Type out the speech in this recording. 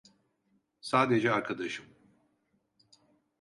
Sadece arkadaşım.